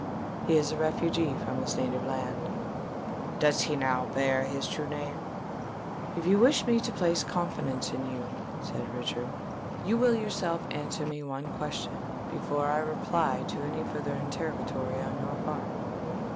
"He is a refugee from his native land." "Does he now bear his true name?" "If you wish me to place confidence in you," said Richard, "you will yourself answer me one question, before I reply to any farther interrogatory on your part."